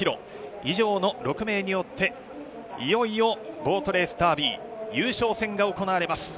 以上の６名によって、いよいよボートレースダービー優勝戦が行われます。